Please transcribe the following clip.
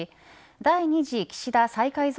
第２次岸田再改造